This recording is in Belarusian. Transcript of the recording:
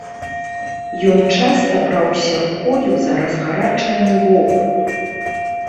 Ён часта браўся рукою за разгарачаны лоб.